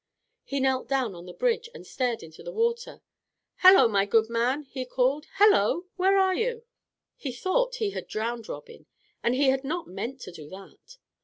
He knelt down on the bridge, and stared into the water. "Hallo, my good man," he called. "Hallo, where are you?" He thought he had drowned Robin, and he had not meant to do that.